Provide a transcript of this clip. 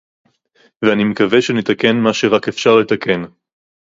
ואני מקווה שנתקן מה שרק אפשר לתקן